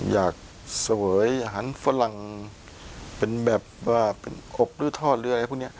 เสวยอาหารฝรั่งเป็นแบบว่าเป็นอบหรือทอดหรืออะไรพวกนี้